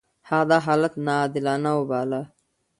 هغه دا حالت ناعادلانه وباله.